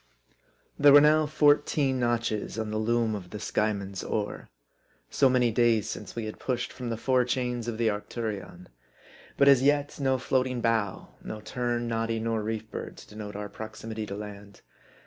THERE were now fourteen notches on the loom of the Skyeman's oar : So many days since we had pushed from the fore chains of the Arcturion. But as yet, no floating bough, no tern, noddy, nor reef bird, to denote our proximity to land.